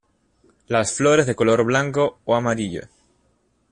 Las flores de color blanco o amarillo.